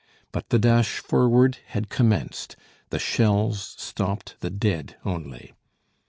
But the dash forward had commenced, the shells stopped the dead only.